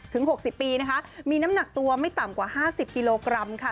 ๖๐ปีนะคะมีน้ำหนักตัวไม่ต่ำกว่า๕๐กิโลกรัมค่ะ